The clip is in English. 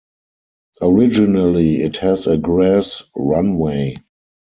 Originally it had a grass runway.